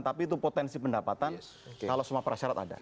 tapi itu potensi pendapatan kalau semua persyarat ada